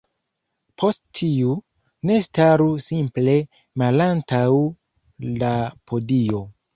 Post tiu, ne staru simple malantaŭ la podio